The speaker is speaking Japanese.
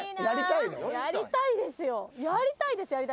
やりたいですやりたいです